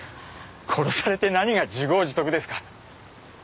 殺されて何が自業自得ですか？